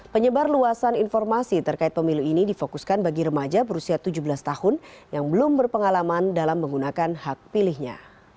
penyebar luasan informasi terkait pemilu ini difokuskan bagi remaja berusia tujuh belas tahun yang belum berpengalaman dalam menggunakan hak pilihnya